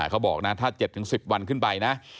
เขาบอกนะถ้า๗๑๐วันขึ้นไปนะ